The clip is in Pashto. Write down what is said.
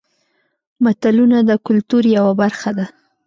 متلونه د کولتور یوه برخه ده